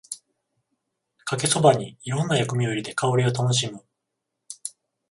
かけそばにいろんな薬味を入れて香りを楽しむ